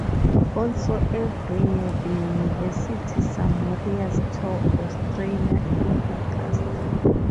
Also, every year, the University Samurais tour Australia in August.